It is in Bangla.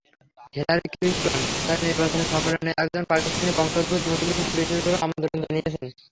হিলারি ক্লিনটন তাঁর নির্বাচনী সম্মেলনে একজন পাকিস্তানি বংশোদ্ভূত মুসলিমকে বিশেষভাবে আমন্ত্রণ জানিয়েছিলেন।